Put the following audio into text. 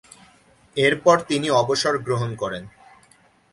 এরপর তিনি অবসর গ্রহণ করেন।